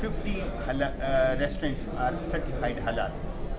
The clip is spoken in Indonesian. lebih dari lima puluh restoran halal sudah disertifikasi halal